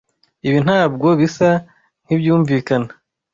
Ibi ntabwo bisa nkibyumvikana.